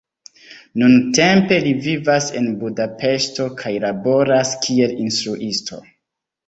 Nuntempe li vivas en Budapeŝto kaj laboras kiel instruisto.